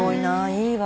いいわ。